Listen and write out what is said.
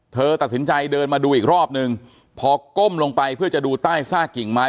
เธอตัดสินใจเดินมาดูอีกรอบนึงพอก้มลงไปเพื่อจะดูใต้ซากกิ่งไม้